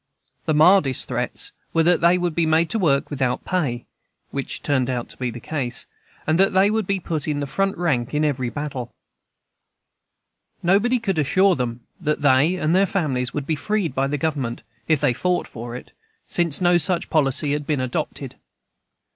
The mildest threats were that they would be made to work without pay (which turned out to be the case), and that they would be put in the front rank in every battle. Nobody could assure them that they and their families would be freed by the Government, if they fought for it, since no such policy had been adopted.